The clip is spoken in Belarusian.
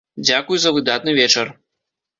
Дзякуй за выдатны вечар!